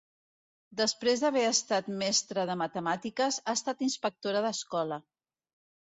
Després d'haver estat mestra de matemàtiques, ha estat inspectora d'escola.